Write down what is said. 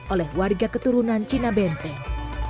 oleh warga keturunan cina benteng